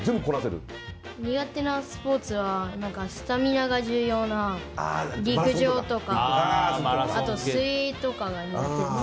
苦手なスポーツはスタミナが重要な陸上とかあと水泳とかが苦手です。